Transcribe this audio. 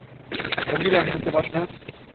মুগিলান, শুনতে পাস না?